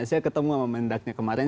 saya ketemu sama mendaknya kemarin